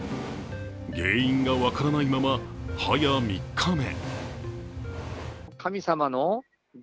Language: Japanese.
原因が分からないまま、はや３日目。